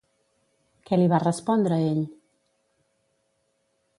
Què li va respondre ell?